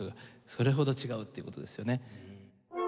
それほど違うっていう事ですよね。